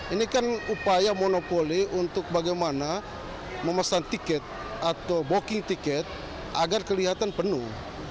ini kan upaya monopoli untuk bagaimana memesan tiket atau booking tiket agar kelihatan penuh